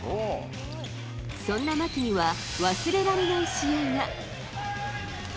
そんな牧には忘れられない試合が。